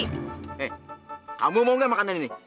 eh kamu mau gak makanan ini